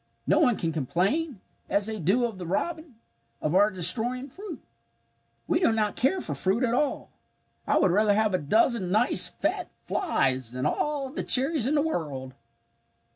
No one can complain as they do of the robin of our destroying fruit. "We do not care for fruit at all. I would rather have a dozen nice fat flies than all the cherries in the world!"